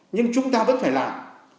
nhưng chúng ta vẫn phải làm